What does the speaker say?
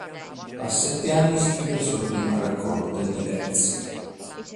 A sette anni scrive la sua prima raccolta di versi.